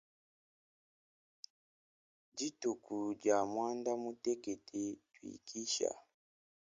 Dituku dia muandamutekete tuikishe.